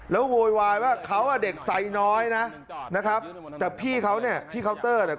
แล้วโวยวายว่าเขาอ่ะเด็กไซน้อยนะนะครับแต่พี่เขาเนี่ยที่เคาน์เตอร์เนี่ย